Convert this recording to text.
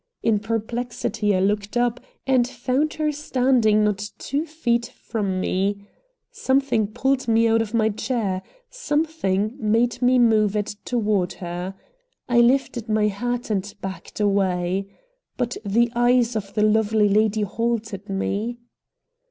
In perplexity I looked up, and found her standing not two feet from me. Something pulled me out of my chair. Something made me move it toward her. I lifted my hat and backed away. But the eyes of the lovely lady halted me.